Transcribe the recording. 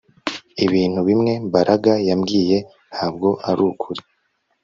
Ibintu bimwe Mbaraga yambwiye ntabwo arukuri